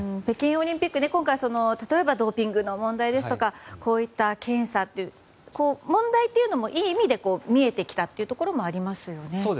北京オリンピックで今回ドーピングの問題ですとかこういった検査など問題というのもいい意味で見えてきたところもありますよね。